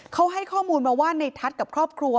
เขาให้ข้อมูลมาว่าในทัศน์กับครอบครัว